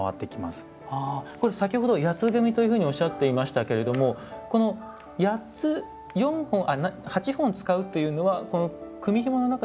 これ先ほど「八つ組」というふうにおっしゃっていましたけれどもこの８本使うというのはこの組みひもの中では比較的シンプルな組み方のほうなんですか？